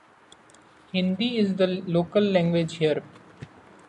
Hindi is the Local Language here.